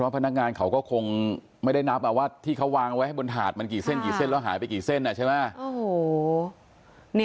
พนักงานเขาก็คงไม่ได้นับว่าที่เขาวางไว้ให้บนถาดมันกี่เส้นกี่เส้นแล้วหายไปกี่เส้นใช่ไหม